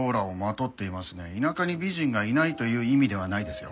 田舎に美人がいないという意味ではないですよ。